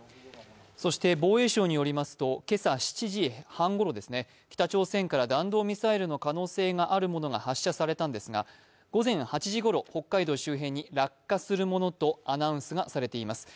そして防衛省によりますと、今朝７時半ごろ北朝鮮から弾道ミサイルの可能性があるものが発射されたんですが午前８時ごろ、北海道周辺に落下するものとアナウンスがされています。